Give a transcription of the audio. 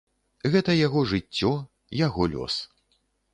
Гэта яго жыццё, яго лёс.